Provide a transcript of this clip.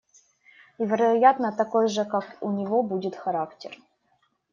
И, вероятно, такой же, как у него, будет характер.